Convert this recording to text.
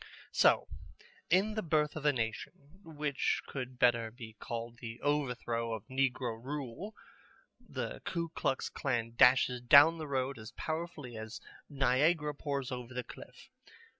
So, in The Birth of a Nation, which could better be called The Overthrow of Negro Rule, the Ku Klux Klan dashes down the road as powerfully as Niagara pours over the cliff.